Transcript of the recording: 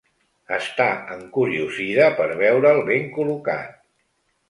Està encuriosida per veure'l ben col·locat.